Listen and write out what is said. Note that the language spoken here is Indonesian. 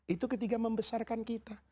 itu ketika membesarkan kita